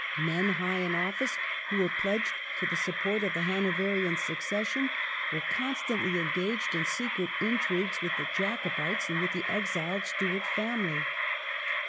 Men high in office who were pledged to the support of the Hanoverian succession were con stantly engaged in secret intrigues with the Jacobites and with the exiled Stuart family.